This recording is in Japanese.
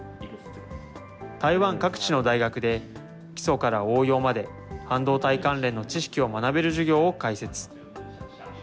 台湾各地の大学で、基礎から応用まで半導体関連の知識を学べる授業を開設。